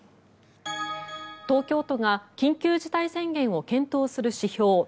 東京都が緊急事態宣言を検討する指標